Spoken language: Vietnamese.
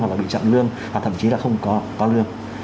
hoặc là bị chặn lương và thậm chí là không có lương